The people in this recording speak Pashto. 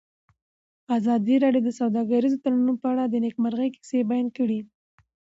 ازادي راډیو د سوداګریز تړونونه په اړه د نېکمرغۍ کیسې بیان کړې.